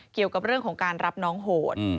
เกี่ยวกับเรื่องของการรับน้องโหด